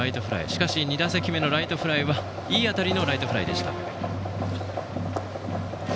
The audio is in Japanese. しかし２打席目のライトフライはいい当たりのライトフライでした。